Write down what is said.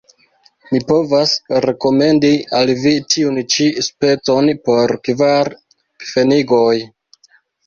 Mi povas rekomendi al vi tiun ĉi specon por kvar pfenigoj.